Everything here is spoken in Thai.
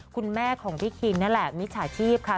คุณแม่ของพี่คินนั่นแหละมิจฉาชีพค่ะ